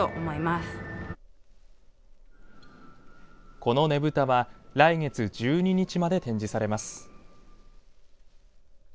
このねぶたは来月１２日まで展示されます。